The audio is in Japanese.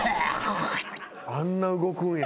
あんな動くんや。